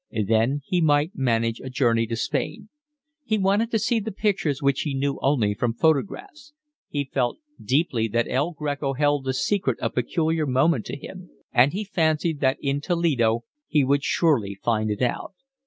Then he might manage a journey to Spain. He wanted to see the pictures which he knew only from photographs; he felt deeply that El Greco held a secret of peculiar moment to him; and he fancied that in Toledo he would surely find it out.